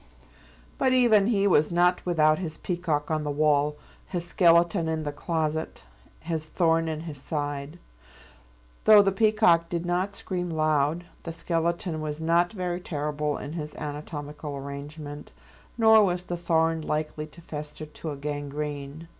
But even he was not without his peacock on the wall, his skeleton in the closet, his thorn in his side; though the peacock did not scream loud, the skeleton was not very terrible in his anatomical arrangement, nor was the thorn likely to fester to a gangrene.